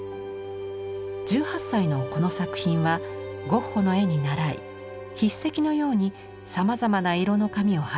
１８歳のこの作品はゴッホの絵にならい筆跡のようにさまざまな色の紙を貼り重ねています。